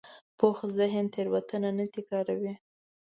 پوخ ذهن تېروتنه نه تکراروي